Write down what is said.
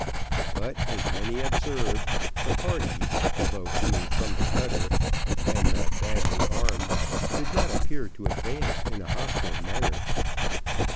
But, as many observed, the party, although coming from the cutter, and not badly armed, did not appear to advance in a hostile manner.